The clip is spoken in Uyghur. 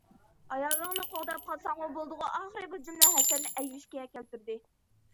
ئايالىڭنى قوغداپ قالساڭمۇ بولىدىغۇ... ئاخىر بۇ جۈملە ھەسەننى ئەيۋەشكە كەلتۈردى.